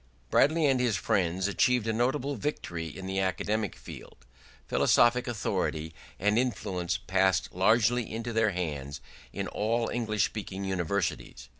Bradley and his friends achieved a notable victory in the academic field: philosophic authority and influence passed largely into their hands in all English speaking universities.